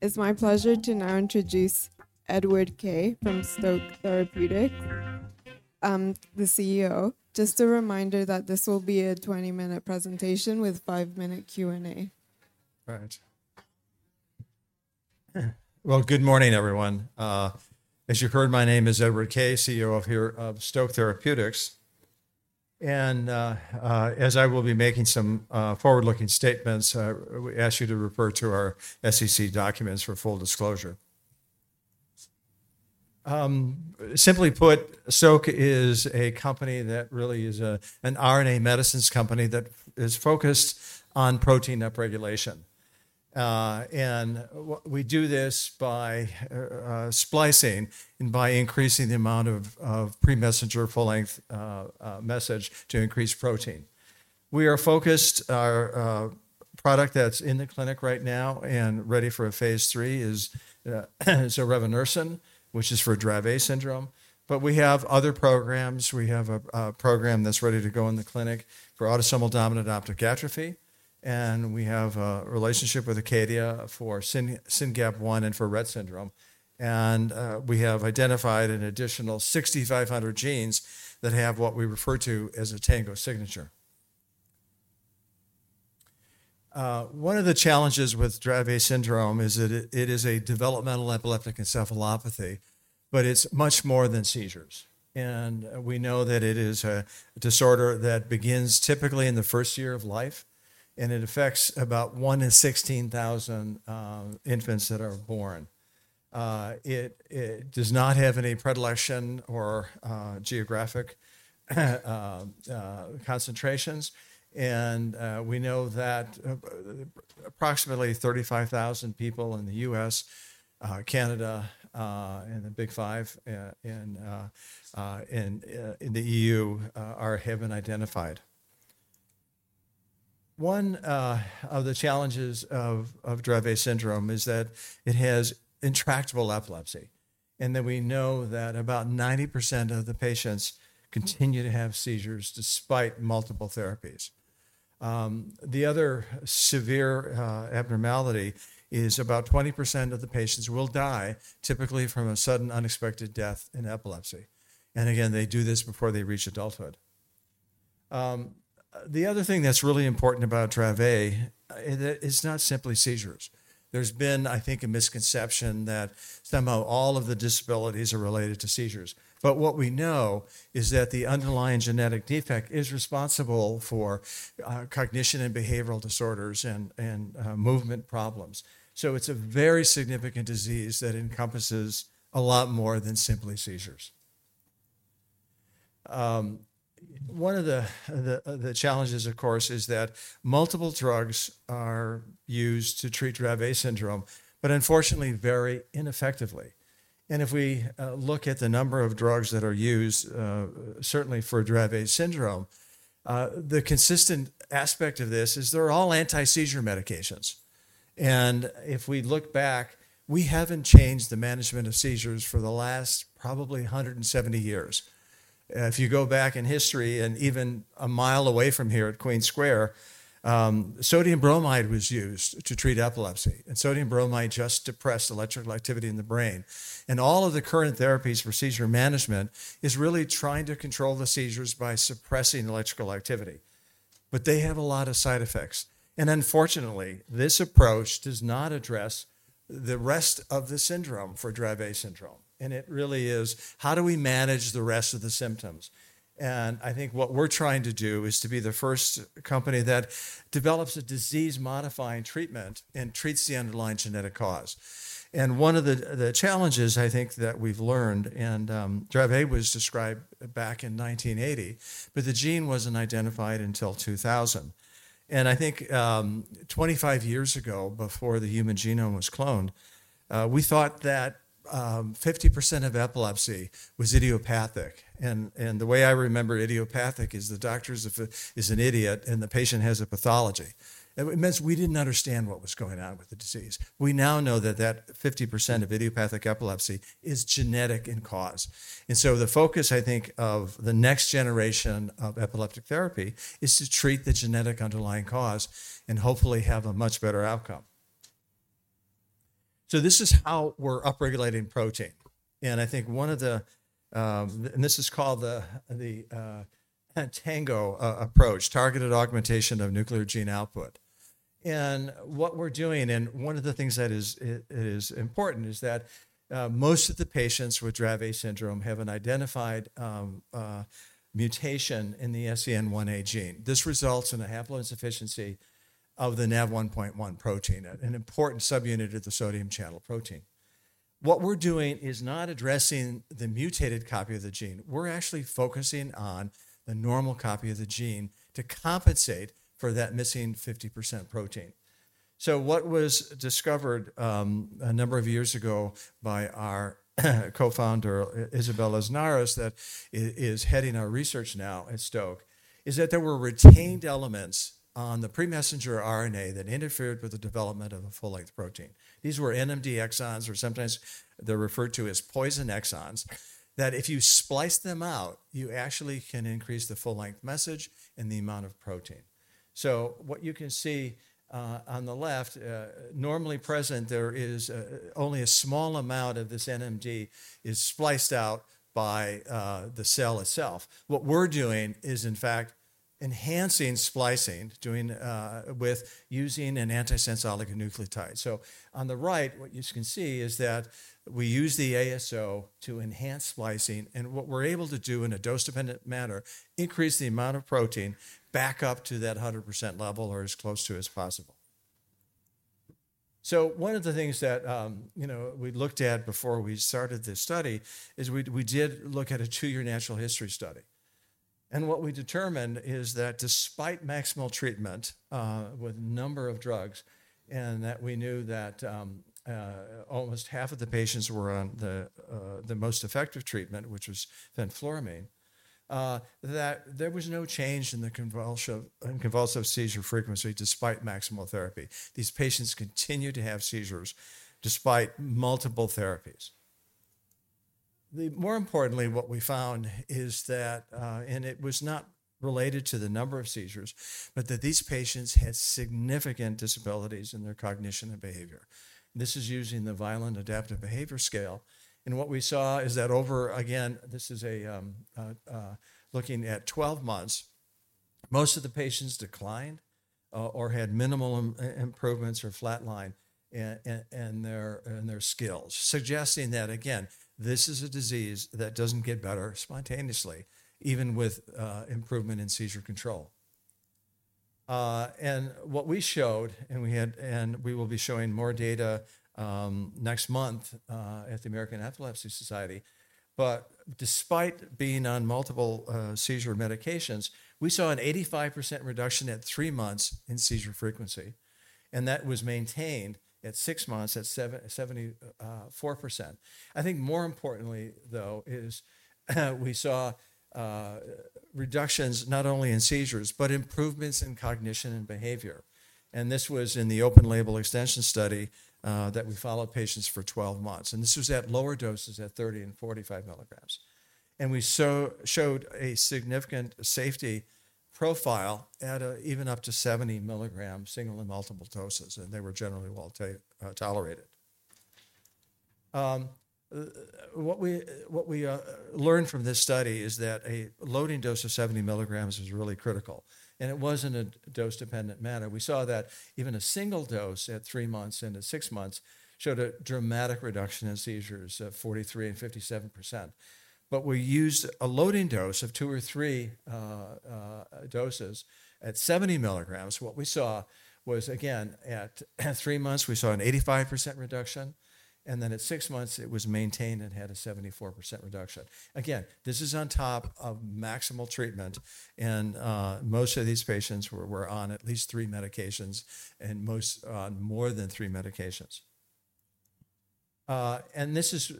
It's my pleasure to now introduce Edward Kaye from Stoke Therapeutics, the CEO. Just a reminder that this will be a 20-minute presentation with a five-minute Q and A. Right. Well, good morning, everyone. As you heard, my name is Edward M. Kaye, CEO of Stoke Therapeutics. And as I will be making some forward-looking statements, we ask you to refer to our SEC documents for full disclosure. Simply put, Stoke is a company that really is an RNA medicines company that is focused on protein upregulation. And we do this by splicing and by increasing the amount of pre-messenger RNA full-length message to increase protein. We are focused. Our product that's in the clinic right now and ready for a Phase 3 is zorevunersen, which is for Dravet syndrome. But we have other programs. We have a program that's ready to go in the clinic for autosomal dominant optic atrophy. And we have a relationship with Acadia for SYNGAP1 and for Rett syndrome. We have identified an additional 6,500 genes that have what we refer to as a TANGO signature. One of the challenges with Dravet syndrome is that it is a developmental epileptic encephalopathy, but it's much more than seizures. We know that it is a disorder that begins typically in the first year of life, and it affects about one in 16,000 infants that are born. It does not have any predilection or geographic concentrations. We know that approximately 35,000 people in the U.S., Canada, and the Big Five in the E.U. haven't been identified. One of the challenges of Dravet syndrome is that it has intractable epilepsy. Then we know that about 90% of the patients continue to have seizures despite multiple therapies. The other severe abnormality is about 20% of the patients will die typically from a sudden unexpected death in epilepsy. Again, they do this before they reach adulthood. The other thing that's really important about Dravet is not simply seizures. There's been, I think, a misconception that somehow all of the disabilities are related to seizures. But what we know is that the underlying genetic defect is responsible for cognition and behavioral disorders and movement problems. It's a very significant disease that encompasses a lot more than simply seizures. One of the challenges, of course, is that multiple drugs are used to treat Dravet syndrome, but unfortunately very ineffectively. If we look at the number of drugs that are used, certainly for Dravet syndrome, the consistent aspect of this is they're all anti-seizure medications. If we look back, we haven't changed the management of seizures for the last probably 170 years. If you go back in history and even a mile away from here at Queen Square, sodium bromide was used to treat epilepsy. And sodium bromide just suppressed electrical activity in the brain. And all of the current therapies for seizure management are really trying to control the seizures by suppressing electrical activity. But they have a lot of side effects. And unfortunately, this approach does not address the rest of the syndrome for Dravet syndrome. And it really is, how do we manage the rest of the symptoms? And I think what we're trying to do is to be the first company that develops a disease-modifying treatment and treats the underlying genetic cause. And one of the challenges, I think, that we've learned, and Dravet was described back in 1980, but the gene wasn't identified until 2000. I think 25 years ago, before the human genome was cloned, we thought that 50% of epilepsy was idiopathic. And the way I remember idiopathic is the doctor is an idiot and the patient has a pathology. It means we didn't understand what was going on with the disease. We now know that that 50% of idiopathic epilepsy is genetic in cause. And so the focus, I think, of the next generation of epileptic therapy is to treat the genetic underlying cause and hopefully have a much better outcome. So this is how we're upregulating protein. And I think one of the, and this is called the TANGO approach, targeted augmentation of nuclear gene output. And what we're doing, and one of the things that is important is that most of the patients with Dravet syndrome have an identified mutation in the SCN1A gene. This results in a haploinsufficiency of the Nav1.1 protein, an important subunit of the sodium channel protein. What we're doing is not addressing the mutated copy of the gene. We're actually focusing on the normal copy of the gene to compensate for that missing 50% protein, so what was discovered a number of years ago by our co-founder, Isabel Aznarez, that is heading our research now at Stoke, is that there were retained elements on the pre-messenger RNA that interfered with the development of a full-length protein. These were NMD exons, or sometimes they're referred to as poison exons, that if you splice them out, you actually can increase the full-length message and the amount of protein, so what you can see on the left, normally present, there is only a small amount of this NMD is spliced out by the cell itself. What we're doing is, in fact, enhancing splicing with using an antisense oligonucleotide. So on the right, what you can see is that we use the ASO to enhance splicing. And what we're able to do in a dose-dependent manner, increase the amount of protein back up to that 100% level or as close to as possible. So one of the things that we looked at before we started this study is we did look at a two-year natural history study. And what we determined is that despite maximal treatment with a number of drugs, and that we knew that almost half of the patients were on the most effective treatment, which was fenfluramine, that there was no change in the convulsive seizure frequency despite maximal therapy. These patients continued to have seizures despite multiple therapies. More importantly, what we found is that, and it was not related to the number of seizures, but that these patients had significant disabilities in their cognition and behavior. This is using the Vineland Adaptive Behavior Scale. And what we saw is that over, again, this is looking at 12 months, most of the patients declined or had minimal improvements or flatline in their skills, suggesting that, again, this is a disease that doesn't get better spontaneously, even with improvement in seizure control. And what we showed, and we will be showing more data next month at the American Epilepsy Society, but despite being on multiple seizure medications, we saw an 85% reduction at three months in seizure frequency. And that was maintained at six months at 74%. I think more importantly, though, is we saw reductions not only in seizures, but improvements in cognition and behavior. This was in the open label extension study that we followed patients for 12 months. This was at lower doses at 30 and 45 milligrams. We showed a significant safety profile at even up to 70 milligrams single and multiple doses. They were generally well tolerated. What we learned from this study is that a loading dose of 70 milligrams was really critical. It wasn't a dose-dependent matter. We saw that even a single dose at three months and at six months showed a dramatic reduction in seizures of 43% and 57%. We used a loading dose of two or three doses at 70 milligrams. What we saw was, again, at three months, we saw an 85% reduction. At six months, it was maintained and had a 74% reduction. Again, this is on top of maximal treatment. Most of these patients were on at least three medications and most on more than three medications. This is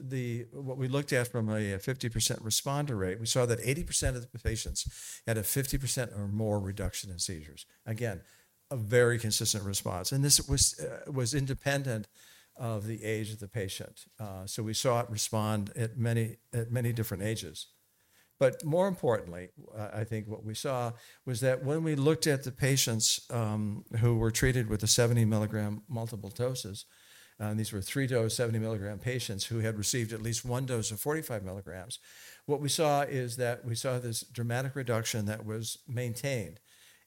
what we looked at from a 50% responder rate. We saw that 80% of the patients had a 50% or more reduction in seizures. Again, a very consistent response. This was independent of the age of the patient. We saw it respond at many different ages. But more importantly, I think what we saw was that when we looked at the patients who were treated with the 70 milligram multiple doses, and these were three dose 70 milligram patients who had received at least one dose of 45 milligrams, what we saw is that we saw this dramatic reduction that was maintained.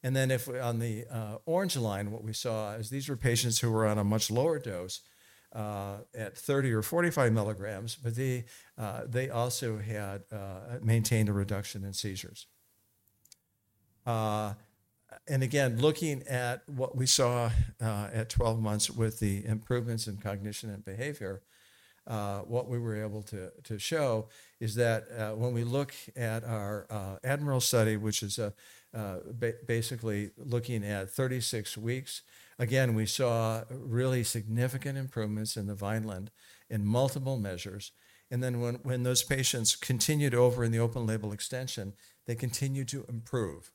And then on the orange line, what we saw is these were patients who were on a much lower dose at 30 or 45 milligrams, but they also had maintained a reduction in seizures. And again, looking at what we saw at 12 months with the improvements in cognition and behavior, what we were able to show is that when we look at our ADMIRAL study, which is basically looking at 36 weeks, again, we saw really significant improvements in the Vineland in multiple measures. And then when those patients continued over in the open label extension, they continued to improve.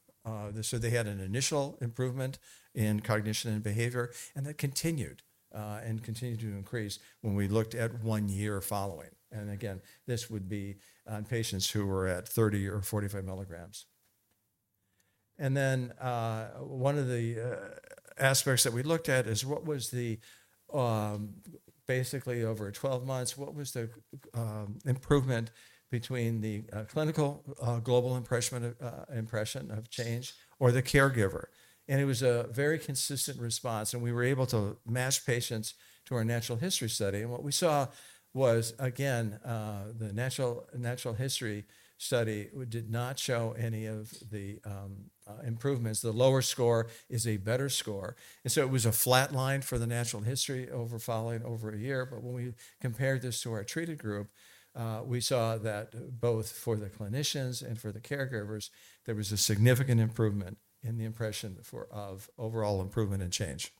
So they had an initial improvement in cognition and behavior, and that continued and continued to increase when we looked at one year following. And again, this would be on patients who were at 30 or 45 milligrams. One of the aspects that we looked at is what was basically over 12 months, what was the improvement between the Clinical Global Impression of Change or the caregiver. It was a very consistent response. We were able to match patients to our natural history study. What we saw was, again, the natural history study did not show any of the improvements. The lower score is a better score, so it was a flatline for the natural history over following a year. When we compared this to our treated group, we saw that both for the clinicians and for the caregivers, there was a significant improvement in the impression of overall improvement and change.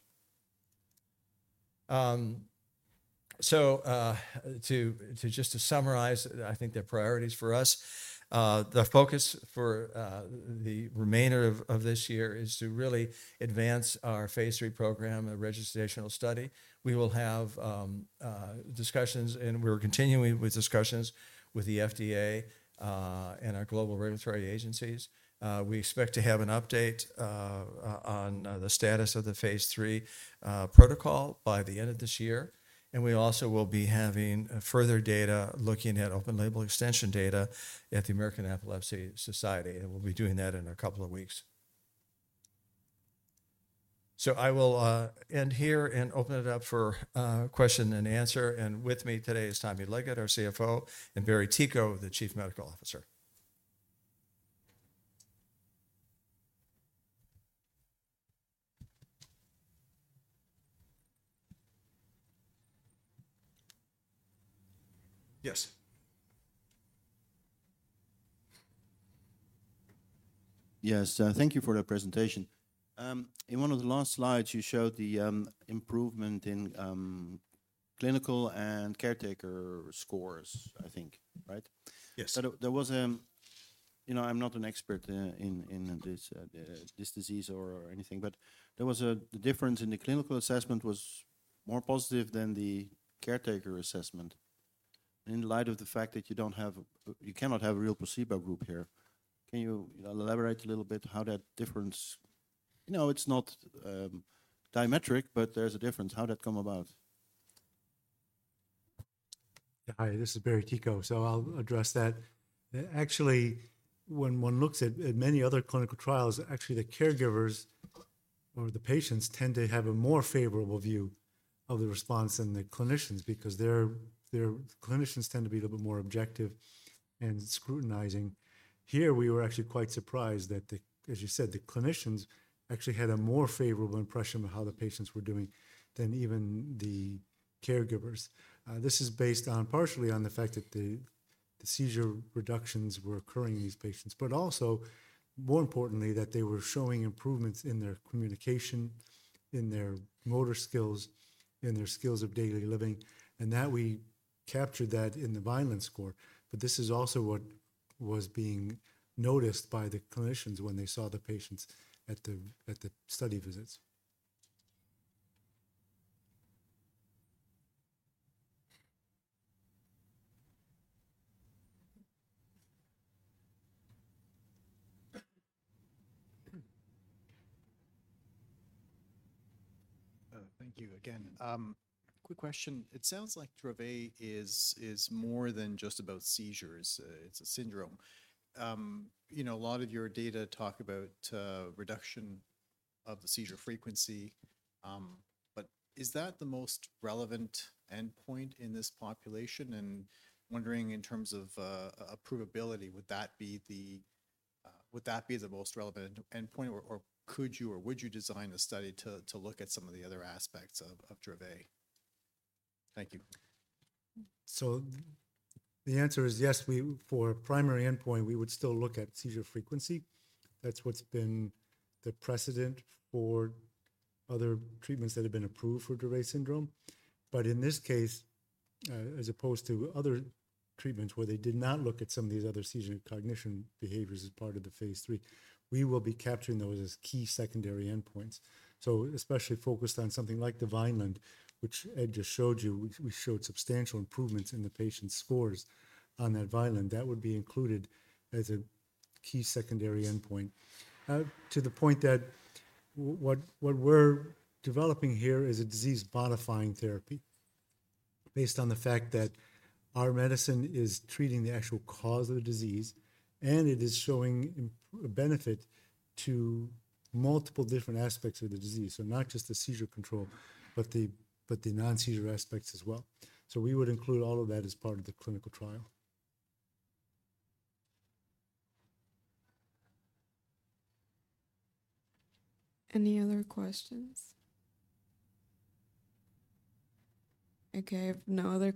So just to summarize, I think the priorities for us, the focus for the remainder of this year is to really advance our phase three program, a registrational study. We will have discussions, and we're continuing with discussions with the FDA and our global regulatory agencies. We expect to have an update on the status of the Phase 3 protocol by the end of this year. And we also will be having further data looking at open label extension data at the American Epilepsy Society. And we'll be doing that in a couple of weeks. So I will end here and open it up for question and answer. And with me today is Tommy Leggett, our CFO, and Barry Ticho, Chief Medical Officer. Yes. Yes. Thank you for the presentation. In one of the last slides, you showed the improvement in clinician and caregiver scores, I think, right? Yes. There was a, you know, I'm not an expert in this disease or anything, but there was a difference in the clinical assessment was more positive than the caregiver assessment. In light of the fact that you don't have, you cannot have a real placebo group here, can you elaborate a little bit how that difference? You know, it's not diametric, but there's a difference. How did that come about? Hi, this is Barry Ticho. So I'll address that. Actually, when one looks at many other clinical trials, actually the caregivers or the patients tend to have a more favorable view of the response than the clinicians because their clinicians tend to be a little bit more objective and scrutinizing. Here, we were actually quite surprised that, as you said, the clinicians actually had a more favorable impression of how the patients were doing than even the caregivers. This is based partially on the fact that the seizure reductions were occurring in these patients, but also, more importantly, that they were showing improvements in their communication, in their motor skills, in their skills of daily living, and that we captured that in the Vineland score. But this is also what was being noticed by the clinicians when they saw the patients at the study visits. Thank you again. Quick question. It sounds like Dravet is more than just about seizures. It's a syndrome. You know, a lot of your data talk about reduction of the seizure frequency. But is that the most relevant endpoint in this population? And wondering in terms of approvability, would that be the most relevant endpoint, or could you or would you design a study to look at some of the other aspects of Dravet? Thank you. So the answer is yes. For a primary endpoint, we would still look at seizure frequency. That's what's been the precedent for other treatments that have been approved for Dravet syndrome. But in this case, as opposed to other treatments where they did not look at some of these other seizure and cognition behaviors as part of the Phase 3, we will be capturing those as key secondary endpoints. So especially focused on something like the Vineland, which Ed just showed you, we showed substantial improvements in the patient's scores on that Vineland. That would be included as a key secondary endpoint. To the point that what we're developing here is a disease modifying therapy based on the fact that our medicine is treating the actual cause of the disease, and it is showing benefit to multiple different aspects of the disease. So not just the seizure control, but the non-seizure aspects as well. So we would include all of that as part of the clinical trial. Any other questions? Okay. No other.